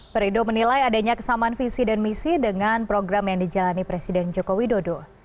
perindo menilai adanya kesamaan visi dan misi dengan program yang dijalani presiden joko widodo